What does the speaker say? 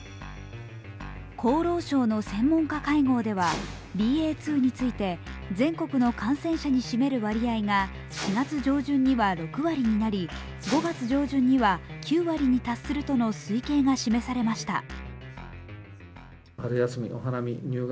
厚労省の専門家会合ではＢＡ．２について全国の感染者に占める割合が４月上旬には６割になり５月上旬には９割に達するとの推計が示されました。